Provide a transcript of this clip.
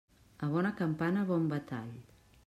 A bona campana, bon batall.